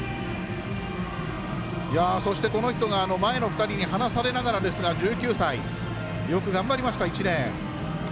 そして、この人が前の２人に離されながらですが１９歳よく頑張りました、１レーン。